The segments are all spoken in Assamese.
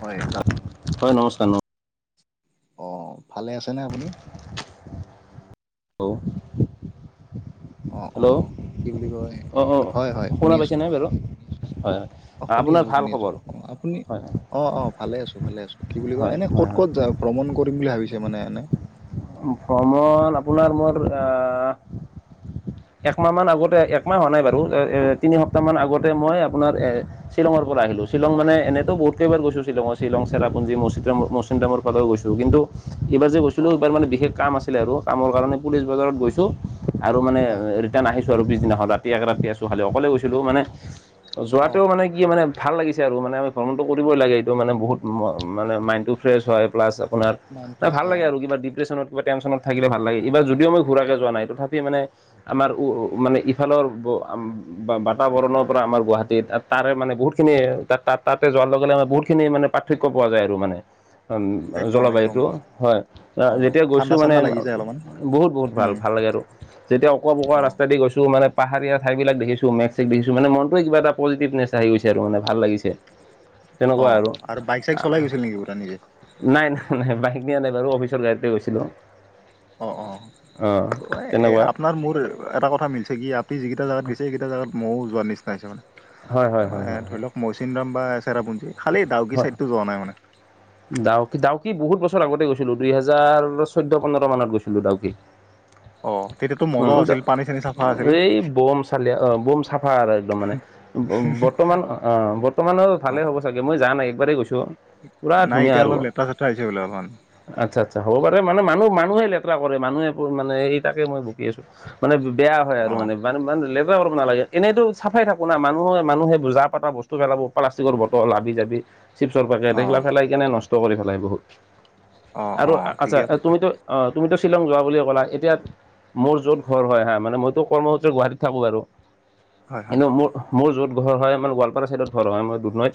হয় দ হয় নমস্কাৰ নম অ ভালে আছেনে আপুনি [unintelligible] অ অ হেল্ল' কি বুলি কয় অঁ অঁ হয় হয় শুনি শুনা আছো পাইছেনে বাৰু হয় হয় অ শুনি আপোনাৰ আছোঁ ভাল শুনি আছোঁ খবৰ অ আপুনি হয় অ অ ভালে আছো ভালে আছো কি বুলি কয় হয় এনে হয় ক'ত হয় ক'ত যাম ভ্ৰমণ কৰিম বুলি ভাবিছে মানে এনে ভ্ৰমণ আপোনাৰ মোৰ একমাহ মান আগতে একমাহ হোৱা নাই বাৰু এ তিনি সপ্তাহ মান আগতে মই আপোনাৰ এ শ্বিলঙৰ পৰা আহিলো, শ্বিলং মানে এনেটো বহুতকেইবাৰ গৈছো শ্বিলংৰ শ্বিলং, চেৰাপুঞ্জি [unintelligible] ফালেও গৈছো, কিন্তু এইবাৰ যে অ গৈছিলো। বিশেষ কাম আছিলে আৰু কামৰ কাৰণে পুলিচ বজাৰত গৈছো আৰু মানে হয় আৰু পিছদিনাখন ৰাতি এক ৰাতি আছো, খালি অকলে গৈছিলো মানে অ যোৱাতেও মানে কি মানে, ভাল লাগিছে আৰু। মানে ভ্ৰমণটো কৰিবই লাগে, এইটো মানে বহুত মানে মাইণ্ডটো ফ্ৰেছ হয়, প্লাছ আপোনাৰ মাইণ্ড অঁ, ফ্ৰেছ ভাল হয় লাগে অ আৰু। কিবা ডিপ্ৰেছনত কিবা টেনচনত থাকিলে ভাল লাগে। এইবাৰ যদিও মই ঘূৰাকে যোৱা নাই, তথাপিও মানে আমাৰ উ মানে ইফালৰ বা, বাতাবৰণৰ পৰা আমাৰ গুৱাহাটীত তাৰে মানে বহুত খিনি তা-তাতে যোৱাৰ লগে লগে বহুতখিনি মানে পাৰ্থক্য পোৱা যায় আৰু মানে একদম একদম জলবায়ুটো হয়। অ যেতিয়া ঠাণ্ডা গৈছোঁ মানে ঠাণ্ডা লাগি যায় অলপমান বহুত বহুত ভাল উম ভাল লাগে আৰু। যেতিয়া অকুৱা-পকুৱা অ ৰাস্তা দি গৈছো মানে পাহাৰীয়া ঠাইবিলাক দেখিছো মেঘ, চেঘ দেখিছোঁ মানে মনটোৱে কিবা এটা পজটিভনেছ আহি গৈছে আৰু মানে ভাল লাগিছে। অ' আৰু বাইক-চাইক চলাই গৈছিল নেকি নিজে? নাই নাই নাই, বাইক দিয়া নাই বাৰু অফিচৰ গাড়ীতে গৈছিলোঁ। অ' অঁ অ' এ তেনেকুৱা আপোনাৰ-মোৰ এটা কথা মিলিছে কি, আপি যিকেইটা জেগাত গৈছে সেইকেইটা জেগাত মওঁ যোৱাৰ নিচিনা হৈছে হয় হয় মানে। হয় মানে হয় হয় ধৰি লওক [unintelligible] চেৰাপুঞ্জী, খালি ডাউকি ছাইডটোত যোৱা নাই মানে। ডাউকী-ডাউকী বহুত বছৰ আগতে গৈছিলোঁ, দুইহেজাৰ চৈধ্য-পোন্ধৰ মানত গৈছিলোঁ ডাউকী। অ তেতিয়াতো মজা আছিল [unintelligible] পানী চানী চাফা আছিল উম'এই বম চালিয়া আহ বম চাফা আৰু একদম মানে। বৰ্তমান অ বৰ্তমানৰ অ ভালেই হ'ব চাগে মই যাম, একবাৰেই গৈছোঁ। পুৰা নাই ধুনীয়া এতিয়া আৰু। অলপ লেতেৰা চেতেৰা হৈছে বোলে অলপমান আচ্ছা আচ্ছা, হ'ব পাৰে মানে। মানুহ-মানুহে লেতেৰা কৰে, মানুহে মানে এই তাকে মই বুকি আছো। মানে বেয়া হয় আৰু অ মানে। মানে ইমান লেতেৰা কৰিব নালাগে, এনেইতো চাফাই থাকো না মানুহে মানুহে যা পাতা বস্তু পেলাব প্লাষ্টিকৰ বটল আদি। চিফছৰ পেকেট অ এইগিলা পেলাই কেনে নষ্ট কৰি পেলাই বহুত। অ আৰু অ আচ্ছা, ঠিকে কৈছে তুমিতো অ' তুমিতো শ্বিলং যোৱা বুলিয়ে ক'লা। এতিয়া মোৰ য'ত ঘৰ হয় হা মইতো কৰ্মসূত্ৰে গুৱাহাটীত থাকো আৰু। হয় হয় কিন্তু মোৰ মোৰ য'ত ঘৰ হয় মানে গোৱালপাৰা চাইডত ঘৰ হয় মই দুনৈত,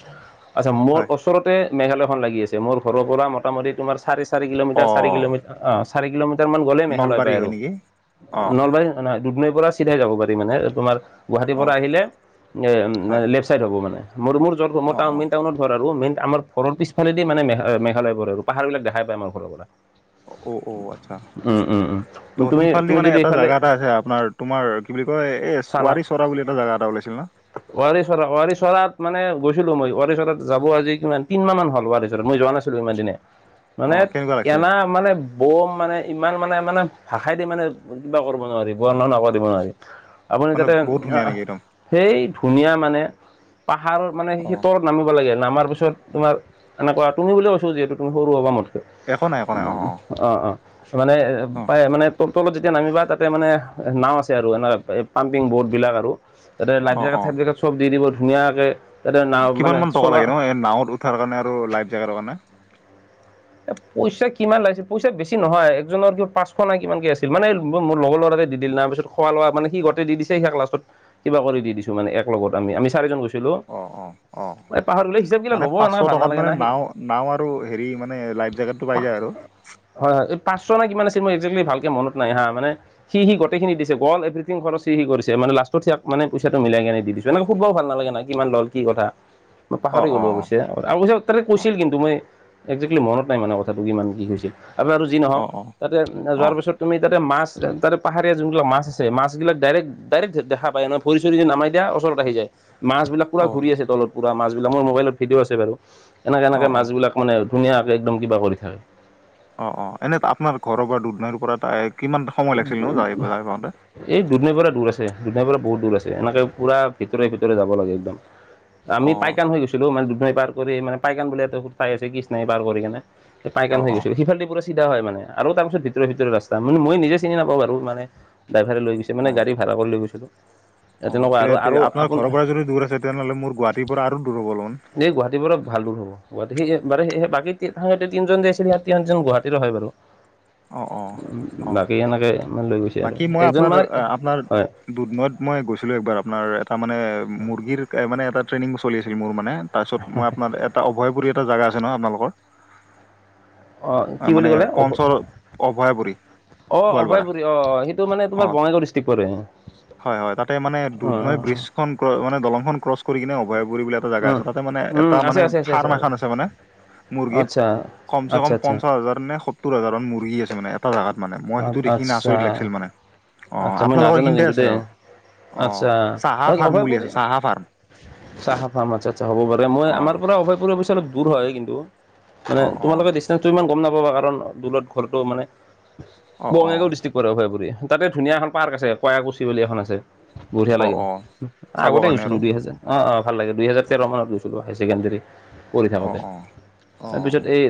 আচ্ছা মোৰ হয় ওচৰতে মেঘালয়খন লাগি আছে, মোৰ ঘৰৰ পৰা মোটামুটি তোমাৰ চাৰে-চাৰি অ কিলোমিটাৰ, চাৰি কিলোমিটাৰ, অ'। চাৰি কিলোমিটাৰমান গ'লেই মেঘালয় নলবাৰী পায় আৰু। হয় নেকি অ নলবাৰী নহয় দুদনৈ পৰা চিধাই যাব পাৰি মানে, তোমাৰ গুৱাহাটীৰ অ পৰা আহিলে এ হয় লেফ্ট চাইড হ'ব মানে, মোৰ মোৰ অ অ য'ত [unintelligible] টাউনত ঘৰ, আৰু মেইন আমাৰ ঘৰ পিছফালেদি মানে মেঘালয় পৰে, আৰু পাহাৰ বিলাক দেখাই পায় আৰু ঘৰৰ পৰা। অ' অ' আচ্ছা। উম', উম', উম'। ত' তুমি সিফালদি তুমি মানে যদি এটা এইফালে জাগা এটা আছে আপোনাৰ, তোমাৰ কি বুলি কয়-এই ৱাৰী চৰা বুলি এটা জাগা এটা ওলাইছিল ন? ৱাৰী-চৰা, ৱাৰী-চৰাত মানে গৈছিলো মই অফিছ এটাত যাব আজি কিমান তিন-মাহ হল, [unintelligible] মই যোৱা নাছিলো ইমান দিনে। অ মানে কেনেকুৱা লাগিছিল কেনা মানে বম মানে ইমান মানে মানে ভাষাই দি মানে কিবা কৰিব নোৱাৰি, বৰ্ণনা কৰিব নোৱাৰি। আপুনি মানে যাতে বহুত ধুনীয়া নেকি একদম সেই ধুনীয়া মানে পাহাৰৰ মানে অ সেইখি নামিব লাগে, নামাৰ পিছত তোমাৰ এনেকুৱা তুমি বুলিয়ে কৈছোঁ, যিহেতু তুমি সৰু হবা মোতকে। একো নাই একো নাই অ উ', অ', অ'। মানে অ পায় মানে তল-তলত যেতিয়া নামিবা, তাতে মানে নাও আছে আৰু এনেকা পাম্পিং ব'ৰ্ডবিলাক আৰু। তাতে অ অ লাইফ-জাকেট, অ চাইফ-জাকেট, চব দি দিব ধুনীয়াকে। তাতে নাও কিমান মানে মান টকা চলোৱা লাগে ন, এ নাৱত উঠাৰ কাৰণে আৰু লাইভ জাকেট কাৰণে? এ পইচা কিমান লাগিছিল পইচা বেছি নহয় একজনৰ কিবা পাঁচশ নাই কিমান কি আছিল, মানে মোৰ লগৰ লৰা দি দিল না পিছত। খোৱা লোৱা মানে সি গোটেই দি দিছে হিয়াক লাষ্টত কিবা কৰি দি দিছোঁ মানে, এক লগত আমি আমি চাৰিজন গৈছি লো অ অ অ এই পাহাৰ গলে হিচাপ গিলা মানে ল'ব পাঁচশ এনেকুৱা ভাল টকাত নালাগে মানে না সি নাও নাও আৰু হেৰি মানে লাইফ জেকেটটো পাই যায় আৰু হয় হয় পাঁচশ না কিমান আছিল মোৰ এক্সেয়েলি ভালকে মনত নাই হা মানে, সি সি গোটেইখিনি দিছে অ'ল এভিৰি থিং খৰছ সি সি কৰিছে মানে লাষ্টত হিয়াক মানে পইচাটো মিলাই কিনি দি দি ছো এনেকে সুধবাও ভাল নালাগে না কিমান লল কি কথা মই অ পাহাৰি অ গ'লো অৱশ্যে আৰু উচাত তাতে কৈছিল কিন্তু মই, একজেক্টলি মনত নাই মানে কথাটো কিমান কি হৈছিল। আ আৰু যি অ নহওক অ অ অ তাতে যোৱাৰ পিছত- তুমি তাতে মাছ তাতে পাহাৰীয়া যোনবিলাক মাছ আছে মাছবিলাক ডাইৰেক্ট, ডাইৰেক্ট দেখা পায় ন, ভৰি চৰি যদি নামাই দিয়া ওচৰত আহি যায় মাছ বিলাক। পুৰা অ ঘূৰি আছে তলত মাছ বিলাক মোৰ মোবাইলত ভিডিঅ' আছে বাৰু, এনেকা অ এনেকা অ মাছবিলাক। মানে, ধুনীয়াকে একদম কিবা কৰি থাকে। অ' অ' এনে আপোনাৰ ঘৰৰ পৰা দুধনৈৰ পৰা তাইক [unintelligible] এই দুধনৈৰ পৰা দূৰ আছে। দুধনৈৰ পৰা বহুত দূৰ আছে, এনেকে পূৰা ভিতৰে ভিতৰে যাব লাগে একদম। অ আমি পাইকণ হৈ গৈছিলোঁ মানে দুধনৈ পাৰ কৰি মানে পাইকান বুলি এটা সোত ঠাই আছে কৃষ্ণই পাৰ কৰি কিনে। অ পাইকান হৈ অ গৈছোঁ সিফালে দি পুৰা চিধা হয় মানে, আৰু তাৰ পিছত ভিতৰতে ভিতৰতে ৰাস্তাৰ মানে মই নিজেই চিনি নাপাওঁ বাৰু ইমানে, ড্ৰাইভাৰে লৈ গৈছে অ মানে গাড়ী ভাড়া কৰি লৈ গৈছো তো অ তেনেকুৱা আৰু আৰু আপোনাৰ আপোন ঘৰৰ পৰা দূৰ আছে। তেনেহ'লে মোৰ গুৱাহাটীৰ পৰা আৰু দূৰ হ'ব অলোন এই গুৱাহাটীৰ পৰা ভাল দূৰ হ'ব। গুৱাহাটী সেয়ে বাৰে সেই বাকীতে তিনিজন যে আছিল সেই তিনিজন গুৱাহাটীৰে হয় বাৰু [unintelligible] অ অ উম অ বাকী এনেকে ইমানে লৈ গৈ বাকী মই আপোনাৰ, আপোনাৰ- দুধনৈত মই গৈছিলোঁ একবাৰ আপোনাৰ এটা মানে মুৰ্গীৰ মানে এটা ট্ৰেইনিং চলি আছিল মোৰ মানে। তাৰপিছত মই আপোনাৰ এটা অভয়পুৰী এটা জেগা আছে ন আপোনালোকৰ অঁ কি অ' বুলি মানে ক'লে পঞ্চৰ অভয়াপুৰী। অ' গোৱালপাৰা অভয়পুৰি অ' অ' সেইট টো মানে তোমাৰ অঁ বঙাইগাঁও ডিষ্ট্ৰিক পৰে অ' অ'। ক্ৰ মানে দলখন ক্ৰছ কৰি কিনে অভয়াপুুৰী বুলি এটা অ জেগা উম আছে তাতে মানে উম এটা আছে মানে আছে আছে ফাৰ্ম এখন আছে মানে মুৰ্গীৰ, আচ্ছা কম চে আচ্ছা কম আচ্ছা পঞ্চাশ হাজাৰ নে সত্তৰ হাজাৰ মান মুৰ্গী আছে মানে এটা জোগাত মানে মই সেইটো দেখি কিনে আচ্ছা আচৰিত লেগ ছিল মানে অ' আচ্ছা মই আপোনালোকৰ সেই নাজানো খিনিতে কিন্তু আছে দেই আৰু। অ আচ্ছা চাহা ফাৰ্ম বুলি অভয়পুৰী আছে চাহা ফাৰ্ম, চাহা ফ্ৰাম আচ্ছা আচ্ছা হব পাৰে মই অঁ আমাৰ পৰা অভয়পুৰ অৱশ্যে অলপ দূৰ হয় কিন্তু, মানে অ অ তোমালোকে ডিচেঞ্চটো ইমান গম নাপাবা কাৰণ দূৰত ঘৰটো মানে, অ অ বঙাইগাঁও ডিষ্ট্ৰিক্টৰে অভয়াপুৰি তাতে ধুনীয়া এখন পাৰ্ক আছে কয়াকুছি বুলি এখন আছে। বঢ়িয়া অ লাগে অ চাবৰ আগতে কাৰণে গৈছিলোঁ আৰু দুই হেজাৰ অ অ ভাল লাগে। দুইহেজাৰ তেৰ মানত গৈছিলোঁ হায়াৰ চেকেণ্ডেৰী পঢ়ি অ থাকোঁতে। অ অ তাৰপিছত এই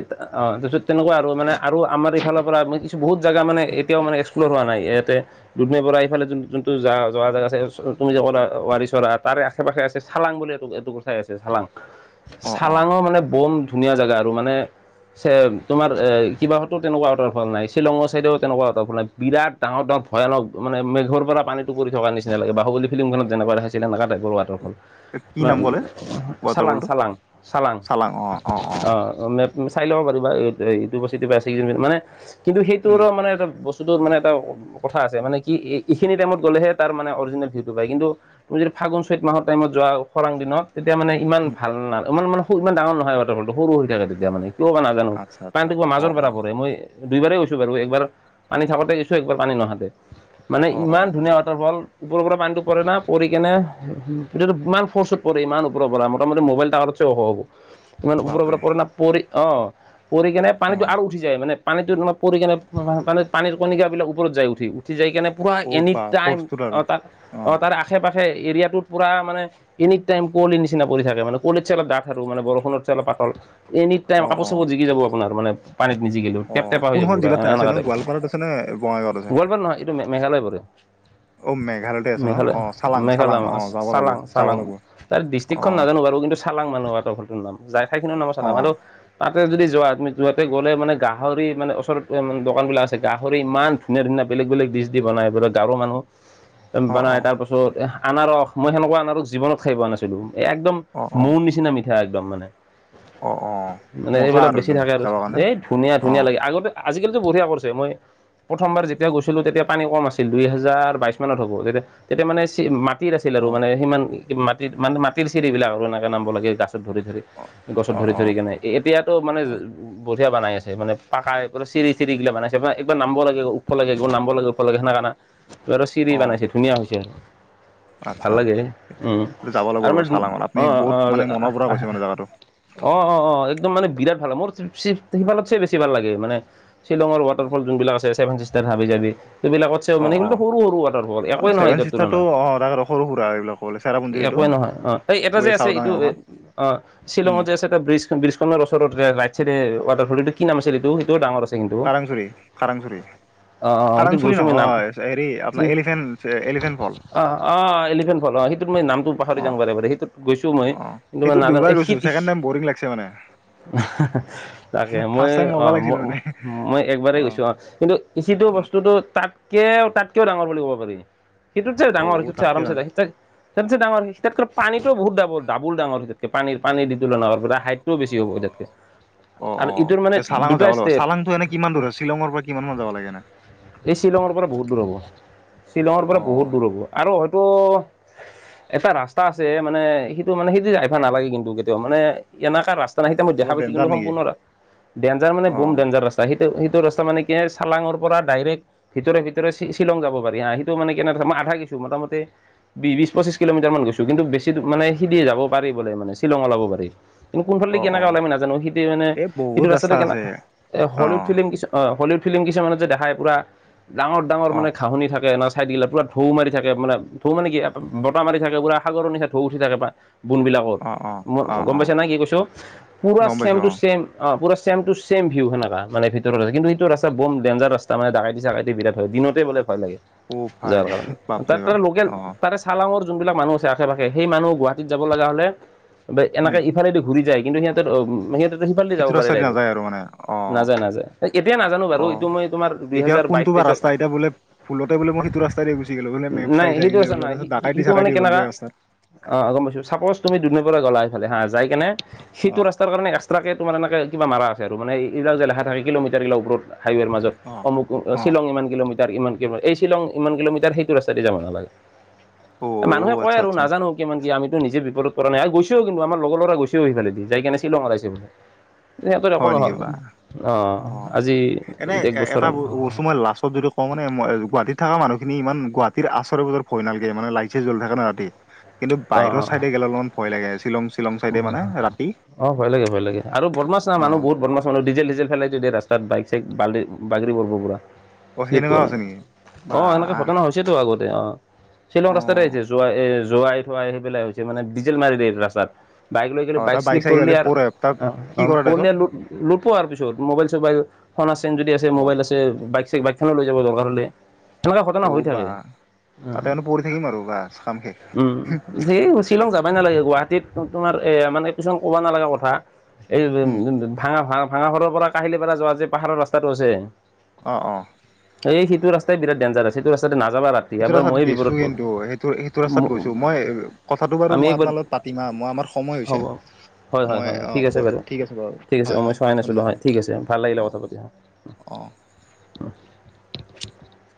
অ' তাৰপিছত তেনেকুৱা আৰু মানে আৰু আমাৰ এইফালৰ পৰা মই কিছু বহুত জাগা মানে এতিয়াওঁ মানে এক্সপ্লৰ হোৱা নাই ইয়াতে। দুধনৈৰ পৰা এইফালে যোন যোনটো যা যোৱা জাগা আছে তুমি যে ক'লা ৱাৰী চৰা তাৰে আশে পাশে আছে চালাং বুলি এটো এটোকোৰ ঠাই আছে চালাং অ অ চালাঙৰ মানে বম ধুনীয়া জেগা আৰু মানে চেম তোমাৰ কিবা হয়তো তেনেকুৱা ৱাটাৰফল নাই শ্বিলঙৰ চাইডেও তেনেকুৱা ঠাই অপোনাৰ বিৰাট ডাঙৰ ডাঙৰ ভয়ানক মানে মেঘৰ পৰা পানীটো পৰি থকাৰ নিচি না লাগে, বাহুলী ফিল্মখন যেনেকুৱা দেখাইছিলে সেনেকুৱা টাইপৰ ৱাতা কি নাম ক'লে চালাং ৱাটাৰফলটো চালাং চালাং অ অ অ অঁ। অঁ চাই লব পাৰিবা, ই মানে কিন্তু উম সেইটোৰো মানে এটা বস্তু মানে এটা কথা আছে মানে কি এইখিনি টাইমত গ'লেহে তাৰ মানে অৰিজিনেল ভিউটো পায়। কিন্তু তুমি যদি ফাগুন চৈত মাহৰ টাইমত যোৱা খৰাং দিনত। তেতিয়া মানে ইমান উম ভাল না ইমান মানে সৰু ইমান ডাঙৰ নহয় ৱাটাৰফলটো সৰু হৈ থাকে তেতিয়া মানে কিয় বা না জানো আচ্ছা আচ্ছা পানীটো কিবা অ মাজৰ অ পৰা পৰে, মই দুইবাৰেই গৈছোঁ বাৰু একবাৰ পানী থাকাতে গৈছো, একবাৰ পানী নহাতে। মানে অ অ ইমান ধুনীয়া ৱাটাৰফল। ওপৰ পৰা পানীটো পৰে না। পৰি কিনে তেতিয়াটো ইমান ফৰ্চত পৰে ইমান ওপৰৰ পৰা মোটামুটি মোবাইল টাৱাৰ আগত। ইমান ওপৰে বাপৰে পৰে না, পৰি ও পৰি কিনে অ পানীটো আৰু উঠি যায় মানে। পানীটোত তোমাৰ পৰি কিনে মানে পানীৰ কণিকাবিলাক ওপৰত যায়, উঠি উঠি যাই কেনে পূৰা অ এনি বা টাইম ফৰ্চটোত আৰু অঁ তাত অ অঁ তাৰ আশে পাশে এৰিয়াটোত পূৰা মানে এনি টাইম কুঁৱলীৰ নিচিনা পৰি থাকে, মানে কুঁৱলীচে ডাঠ আৰু মানে বৰষূণচে পাতল। এনি টাইম অ কাপোৰ অ চাপোৰ জিকি যাব আপোনাৰ মানে পানীত নিজিকিলো। অ কেপ টেপা হৈ যাব কোনখন পুৰা জিলাত আছে এনকা নো টাইপ, গোৱালপাৰাত আছে নে বঙাইগাঁৱত আছে গোৱালপাৰা নহয় এইটো মেঘালয় পৰে। অ মেঘালয়তে আছে ন মেঘালয় অ চালাং চালাং মেঘালয় অ যাব লাগিব চালাং যাব চালাং লাগিব তাৰ অ ডিষ্ট্ৰিকখন নাজানো বাৰু কিন্তু চালাং মানুহ আৰু ত ঘৰৰ নাম যাই ঠাই খিনিও নাম অ চালাং আৰু তাতে যোৱা তুমি যতে গ'লে মানে গাহ গাহৰি মানে ওচৰত ইমান দোকানবিলাক আছে গাহৰি ইমান ধুনীয়া ধুনীয়া বেলেগ বেলেগ ডিছ দি বনাই পুৰা গাঁৱৰ মানুহ। অ অ বনাই তাৰ পাছত আনাৰস মই সেনেকুৱা আনাৰস জীৱনত খাই পোৱা নাছিলো, একদম অ অ মৌ নিচিনা মিঠা একদম মানে। অ অ মানে মজা এইবিলাক বেছি একদম থাকে আৰু যাবৰ কাৰণে এই ধুনীয়া অ ধুনীয়া লাগে আগতে আজিকালিতো বঢ়িয়া কৰিছে, মই প্ৰথমবাৰ যেতিয়া গৈছিলো তেতিয়া পানী কম আছিল, দুই হেজাৰ বাইশ মানত হ'ব তেতিয়া তেতিয়া মানে মাটিৰ আছিল আৰু অ মানে সিমান মাটিৰ মানে মাটিৰ চিৰি এইবিলাক আৰু এনেকৈ নামাব লাগে গাছত ধৰি ধৰি। অ গছত অ ধৰি অ ধৰি কিনে এতিয়াতো মানে অ বঢ়িয়া বনাই আছে মানে। পাকাই এই চিৰি চিৰিগিলা বনাইছে, একবাৰ নাম লাগে উঠব লাগে, নামব লাগে ওপৰলে সেনেকা না তোৰ আৰু চিৰি অ বনাইছে ধুনীয়া হৈছে। ভাল আচ্ছা লাগে উম এইটো যাব লাগিব আৰু ৰ আমাৰ চালাঙত আপুনি আঁহ বহুত আঁহ মানে আঁহ মনৰ পৰা আঁহ। কৈছে মানে জেগাটো অঁ অঁ অঁ অঁ, একদম মানে বিৰাট ভাল মোৰ চিত সেইফালত চবতচে বেছি ভাল লাগে মানে, শ্বিলঙৰ ৱাটাৰ ফল যোনবিল আছে ছেভেন চিষ্টেম হাবি যাবি, সেইবিলাকত অ মানে অ সৰু সৰু ৱাটাৰ ফল অ একোৱেই নহয় ছেভেন সিহঁতৰ চিষ্টাৰটো তুলনাত অ তাকেতো সৰু সুৰা এইবিলাক ক'লে চেৰাপুঞ্জীৰ একোৱেই নহয়, এইটো একোৱে নহয় অঁ, এই এটা ৱে যে আছে চাওদাং এইটো নহয়। অঁ উম শ্বিলঙত যে আছে। এটা ব্ৰীজ ব্ৰীজ খনৰ ওচৰত ৰাইট চাইডে ৱাটাৰ ফলটো কি নাম আছিল এইটো সেইটোও ডাঙৰ আছিল। কাৰংচুুৰি কাৰংচুুৰি অ', অ', সেইটো কাৰাংচুৰি গৈছো মই নাম নহয় হেৰি আপোনাৰ এলিফেণ্ট এলিফেণ্ট ফল। অঁ অঁ এলিফেণ্ট ফল, অঁ সেইটোত মই নামটো পাহৰি অ যাওঁ বাৰে বাৰে সেইটোত গৈছো মই অ কিন্তু মই সেইটোত নাযাওঁ, দুইবাৰ গৈছো হি ছেকেণ্ড টাইম বৰিং লাগছে মানে [unintelligible] মই ফাৰ্ষ্ট টাইম মজা অঁ ম লাগিছিল মানে মই একবাৰেই অ গৈছোঁ, অঁ কিন্তু সিটো অ বস্তুটো তাত। কে তাতকেও ডাঙৰ বুলি ক'ব পাৰি। সিটোত চে ডাঙৰ ঔ সিটোত তাতকে আৰাম চে ডাঙৰ তাতচে দাঙৰ তাতকৈ পানীটো বহুত দাম। ডাবুল ডাঙৰ তেতিয়া পানীৰ পানী দি তোলোঙৰ পৰা হাইটটো বেছি হ'ব তাইতকে। অঁ অঁ তে চালাঙত যাব লাগিব, ষ্টেপ চালাংটো এনে কিমান দূৰ শ্বিলঙৰ পৰা কিমান মান যাব লাগে এনে। এই শ্বিলঙৰ পৰা বহুত দূৰ হ'ব শ্বিলঙৰ অ পৰা বহুত দূৰ হ'ব আৰু হয়তো এটা ৰাস্তা আছে মানে সিটো মানে সেইটো যাইফা নালাগে কিন্তু কেতিয়াও মানে এনেকুৱা ৰাস্তা ত ন সতিই দেখ অলপ পাইছ ডেঞ্জাৰ কিন্তু নেকি সম্পৰ্ণৰ ডেঞ্জাৰ মানে অ বমেঞজাৰ ৰাস্তা সেইটো সেইটো ৰাস্তা মানে কি চালাঙৰ পৰা ডাইৰেক্ট ভিতৰে ভিতৰে শ্বিলং যাব পাৰি হা সেইটো মানে কেনেধই আধা কিছু মোটামুটি বি বিশ পঁচিশ কিলোমিটাৰ মান গৈছো কিন্তু বেছি মানে সিদি য পাৰি বলে মানে শ্বিলঙ ওলাব পাৰি। কিন্তু কোনফালেদি অ কেনেকে অ ওলামি নাজানো সিটো মানে এই সিটো বহুত ৰাস্তা কেনা আছে এ অ। হলিউড ফিল্ম কিছু অ হলিউড ফিল্ম কিছুমানত যে দেখাই পুৰা ডাঙৰ ডাঙৰ অ মানে ঘাঁহনি থাকে না চাইড বিলাকত পুৰা ঢৌ মাৰি থাকে মানে ঢৌ মানে কি বতাহ মাৰি থাকে পুৰা সাগৰ নিচিনা ঢৌ উঠি থাকে বুন বিলাকত। অ অ ম অ গম অ পাইছ নাই কি কৈছো পুৰা গম ছেম পাইছো টু অ ছেম। অ পুৰা ছেম টু ছেম ভিউ সেনেকা মানে ভিতৰৰ কিন্তু সেইটো ৰাস্তা বৰ ডেঞ্জাৰ ৰাস্তা মানে ডাকাইতি চাকাইতি বিৰাট হয় দিনত ভয় লাগে অ ভাই যোৱাৰ কাৰণে বাপৰে তাৰ পৰা বাপ লগে অ তাৰে চালঙৰ যোনবিলাক মানুহ আশে পাশে সেই মানুহ গুৱাহাটীত যাব লগা হ'লে বা উম এনেকে ইফালেদি ঘূৰি যায় কিন্তু সিহঁত সেইটো ৰাস্তাদি সিহঁতে নাযায় আৰু মানে অ নাযায় নাযায় এতিয়া নাজানো বাৰু অ এইটো মই তোমাৰ এতিয়া দুইহেজাৰ বাইশ কোনটো বা তেইশত ৰাস্তা এতিয়া বলে ভুলতে বোলে মই সেইটো ৰাস্তা দি গুচি গলো বোলে মই নাই চাই চাই সেইটো কিনে আছে বোলে নাই সি- সি- ডাকাটি সিটো মানে চাকাটি গ'ল কেনেকা ৰাস্তাত। অ গম পাইছো চাপজ তুমি দুধনৈ গ'লা এইফালে হা যাই কেনে অ সেইটো ৰাস্তাৰ কাৰণে এক্সট্ৰাকে তোমাৰ এনেকে কিবা মাৰা আছে আৰু মানে এইিলাক যে লেখা থাকে কিলোমিটাৰ গিলা ওপৰত হাইৱেৰ মাজত অ অমুক অ শ্বিলং ইমান কিলোমিটাৰ। ইমান ক এই শ্বিলং ইমান কিলোমিটাৰ সেইটো ৰাস্তাতে যাব নালাগে। অ মানুহে কয় আচ্ছা আৰু আচ্ছা নাজানো। কিমান কি আমিতো নিজে বিপদত কৰা নাই আৰু গৈছেও কিন্তু আমাৰ লগ ল'ৰা গৈছেও সেইফালে দি যাই কাৰনে শ্বিলঙত আইছে বুলে। হয় নেকি? বা অ এনে এক বছৰ এটা অ', বস্তু মই লাষ্টত যদি অ মানে গুৱাহীত থকা মানুহখিনি ইমান গুৱাহাটীৰ আচৰে বজৰে ভয় নালাগে মানে লাইট চাইত জলি থাকে না ৰাতি কিন্তু বাহিৰৰ অ', ছাইডে গ'লে অলপমান ভয় লাগে শ্বিলং শ্বিলং চাইডে মানে ৰাতি অ ভয় লাগে ভয় লাগে আৰু বদমাছ না অ মানুহ বদমাছ। ডিজেল ডিজেল ফেলাই যদি ৰাস্তাত বাইক চাইক বালি বাগৰি পৰব পুৰা। অ চোৱা সেনেকুৱাও নাই আছে নেকি অ বা এনেকে ঘটনা হৈছে। আগতে অ শ্বিলং অ ৰাস্তাতে আহিছে যোৱা এ যোৱাই। সেই পেলাই হৈছে মানে ডিজেল মাৰিল দে ৰাস্তাত বাইক লৈ অ গলে বাইক তাৰ শ্লিপ চাইক কৰিল হ'লে আৰু। পৰে তাত অ কি অ কৰে প তাৰপিছত লুটব আৰু পিছত মোবাইল চোবাইল সোনাৰ সেন যদি আছে অ মোবাইল আছে। বাইক চাইক বাইকখানা লৈ যাব দৰকাৰ হলে। তেনেকুৱা ঘটনা অ হৈ বা থাকে তাতে মানে পৰি থাকিম আৰু বাছ কাম শেষ উ উ। শি শ্বিলং যাবাই নালাগে গুৱাহাটীত তোমাৰ এ মানে কিছ ক'বা নালাগা কথা। এই উম ভাঙা ভাঙা ঘৰৰ পৰা কাহিলীপাৰা যোৱা যে পাহাৰৰ ৰাস্তাটো আছে। অঁ অঁ। এই সিটো ৰাস্তাই বিৰাট ডে়ঞ্জাৰ সিটো ৰাস্তা নাযাবা ৰাতি। সেইটো এবাৰ ৰাস্তাত ময়ে বিপদত গৈছো পৰো কিন্তু সেইটো সেইটো ৰাস্তাত গৈছো মই কথাটো বাৰু আমি মই একবাৰ আপোনাল লগত পাতিমা মই আমাৰ সময় হ'ব হৈছে। হয় হয় মই হয় হয় অ ঠিক আছে ক- বাৰু ঠিক আছে বাৰু ঠিক আছে হয় অ মই হয় চোৱাই নাছিলোঁ হয় ঠিক আছে ভাল লাগিলে কথা পাতি হা। অঁ।